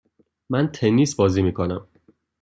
من تنیس بازی میکنم.